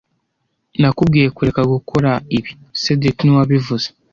Nakubwiye kureka gukora ibi cedric niwe wabivuze